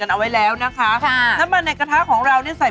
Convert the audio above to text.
แล้วไหนต่อค่ะเชฟ